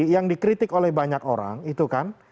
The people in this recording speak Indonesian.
yang dikritik oleh banyak orang itu kan